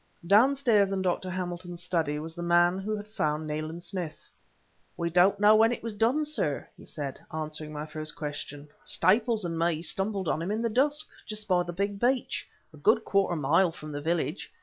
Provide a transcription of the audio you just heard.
Downstairs in Dr. Hamilton's study was the man who had found Nayland Smith. "We don't know when it was done, sir," he said, answering my first question. "Staples and me stumbled on him in the dusk, just by the big beech a good quarter mile from the village.